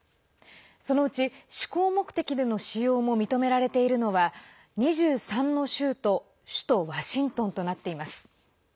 そのうち、しこう目的での使用も認められているのは２３の州と首都ワシントンとなっています。